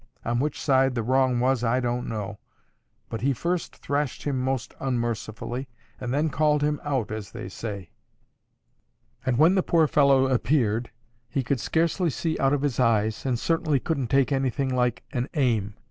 On which side the wrong was, I don't know. But he first thrashed him most unmercifully, and then called him out, as they say. And when the poor fellow appeared, he could scarcely see out of his eyes, and certainly couldn't take anything like an aim.